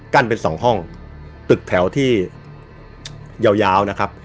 เป็นสองห้องตึกแถวที่ยาวยาวนะครับ